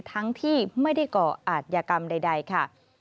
ทั้งที่ไม่เกาะอัตยากรรมใดค่ะ